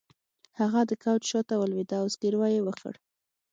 هغه د کوچ شاته ولویده او زګیروی یې وکړ